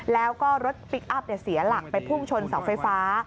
แล้วก็รถพลิกอัพเสียหลักไปพุ่งชนเสาไฟฟ้า